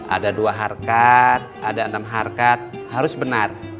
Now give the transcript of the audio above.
ada dua harkat ada enam harkat harus benar